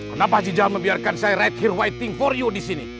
kenapa haji jahal membiarkan saya right here waiting for you di sini